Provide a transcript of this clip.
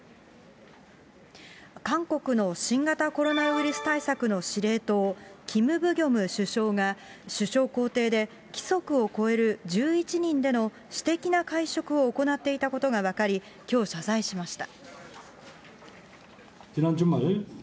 韓国の新型コロナウイルス対策の司令塔、キム・ブギョム首相が、首相公邸で規則を超える１１人での私的な会食を行っていたことが分かり、きょう謝罪しました。